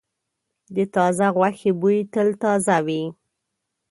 د تازه غوښې بوی تل تازه وي.